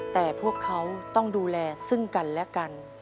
แต่พวกเขาต้องดูแลซึ่งกันและกัน